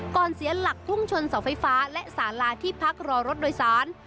เสียหลักพุ่งชนเสาไฟฟ้าและสาลาที่พักรอรถโดยสาร